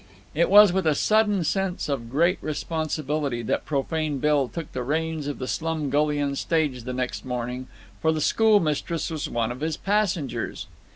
It was with a sudden sense of great responsibility that Profane Bill took the reins of the Slumgullion Stage the next morning, for the schoolmistress was one of his passengers.